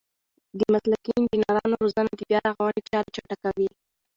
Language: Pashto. د مسلکي انجنیرانو روزنه د بیارغونې چارې چټکوي.